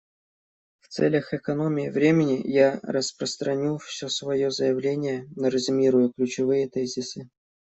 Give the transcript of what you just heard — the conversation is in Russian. В целях экономии времени я распространю все свое заявление, но резюмирую ключевые тезисы.